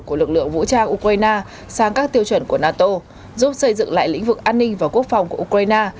của lực lượng vũ trang ukraine sang các tiêu chuẩn của nato giúp xây dựng lại lĩnh vực an ninh và quốc phòng của ukraine